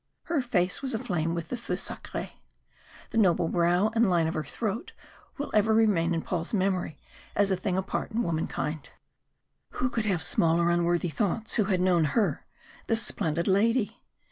Her face was aflame with the feu sacré. The noble brow and line of her throat will ever remain in Paul's memory as a thing apart in womankind. Who could have small or unworthy thoughts who had known her this splendid lady?